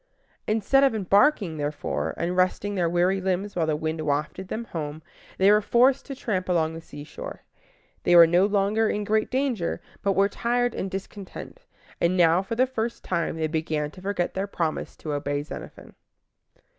Instead of embarking, therefore, and resting their weary limbs while the wind wafted them home, they were forced to tramp along the seashore. They were no longer in great danger, but were tired and discontented, and now for the first time they began to forget their promise to obey Xenophon.